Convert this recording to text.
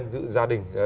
như gia đình